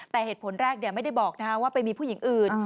แต่เหตุผลแรกไม่ได้บอกว่าไปมีผู้หญิงอื่น